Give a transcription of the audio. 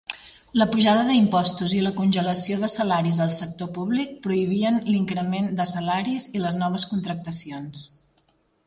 La pujada de impostos i la congelació de salaris al sector públic prohibien l'increment de salaris i les noves contractacions.